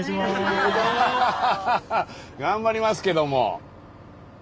頑張りますけども。